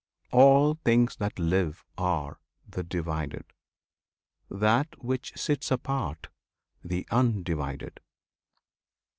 All things that live Are "the Divided." That which sits apart, "The Undivided."